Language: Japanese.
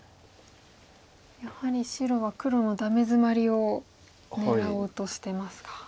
やはり白は黒のダメヅマリを狙おうとしてますか。